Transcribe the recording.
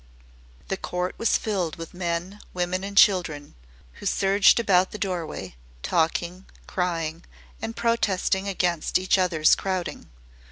The court was filled with men, women, and children, who surged about the doorway, talking, crying, and protesting against each other's crowding.